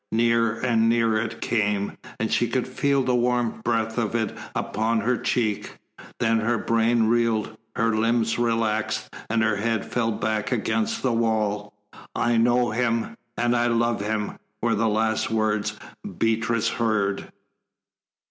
Nearer and nearer it came, and she could feel the warm breath of it upon her cheek. Then her brain reeled, her limbs relaxed, and her head fell back against the wall. "I know him, and I love him," were the last words Beatrice heard.